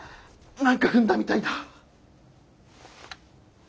何か踏んだみたいだ。